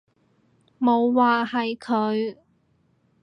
冇話係佢